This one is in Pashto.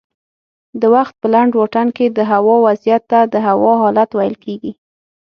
د وخت په لنډ واټن کې دهوا وضعیت ته د هوا حالت ویل کېږي